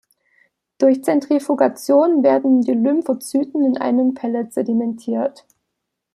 Durch Zentrifugation werden die Lymphozyten in einem Pellet sedimentiert.